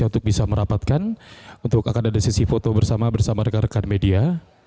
untuk bisa merapatkan untuk akan ada sesi foto bersama bersama rekan rekan media